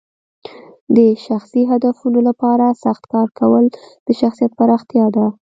د شخصي هدفونو لپاره سخت کار کول د شخصیت پراختیا ده.